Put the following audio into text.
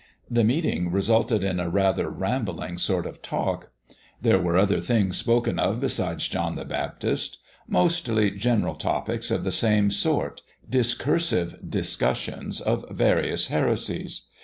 The meeting resulted in a rather rambling sort of talk; there were other things spoken of besides John the Baptist mostly general topics of the same sort discursive discussions of various heresies.